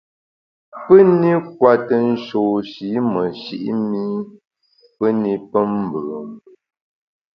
Pù-ni kwete nshôsh-i meshi’ mi pù ni pe mvùù mvù.